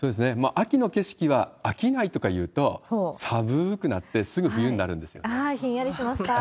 秋の景色は飽きないとかいうと、さぶーくなって、あー、ひんやりしました。